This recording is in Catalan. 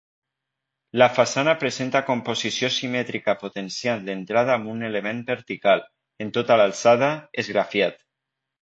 La façana presenta composició simètrica potenciant l'entrada amb un element vertical, en tota l'alçada, esgrafiat.